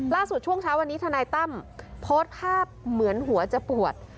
ช่วงเช้าวันนี้ทนายตั้มโพสต์ภาพเหมือนหัวจะปวด